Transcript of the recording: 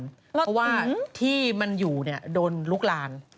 เพราะว่าที่มันอยู่โดนลุกลาม